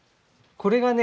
これがね